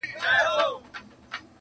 د پوهېدو سخت ګڼي تل وي-